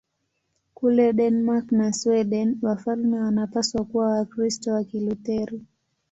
Kule Denmark na Sweden wafalme wanapaswa kuwa Wakristo wa Kilutheri.